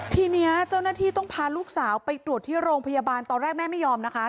ทีนี้เจ้าหน้าที่ต้องพาลูกสาวไปตรวจที่โรงพยาบาลตอนแรกแม่ไม่ยอมนะคะ